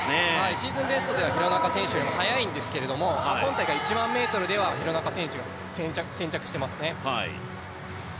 シーズンベストでは廣中選手より速いんですけど今大会１００００ｍでは廣中選手、先着していますね。